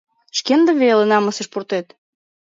Шкендым веле намысыш пуртет.